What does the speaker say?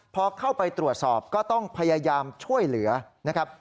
พอเข้าไปตรวจสอบก็ต้องพยายามช่วยเหลือนะครับ